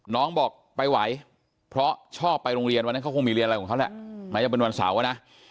น้องบอกไปไหวเพราะชอบไปโรงเรียนวันนั้นเขาคงมีเรียนอะไรของเขาแหละแม้จะเป็นวันเสาร์นะ